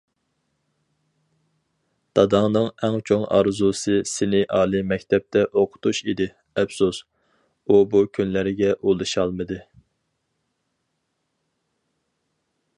داداڭنىڭ ئەڭ چوڭ ئارزۇسى سېنى ئالىي مەكتەپتە ئوقۇتۇش ئىدى، ئەپسۇس، ئۇ بۇ كۈنلەرگە ئۇلىشالمىدى.